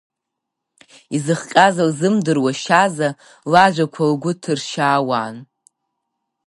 Изыхҟьаз лзымдыруа, Шьаза лажәақәа лгәы ҭыршьаауан…